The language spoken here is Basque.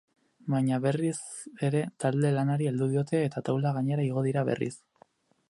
Baina berriz ere talde-lanari heldu diote eta taula gainera igo dira berriz.